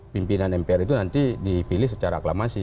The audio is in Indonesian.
pimpinan mpr itu nanti dipilih secara aklamasi